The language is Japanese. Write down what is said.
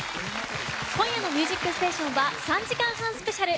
今夜の「ミュージックステーション」は３時間半スペシャル！